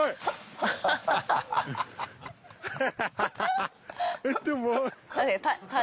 ハハハハ！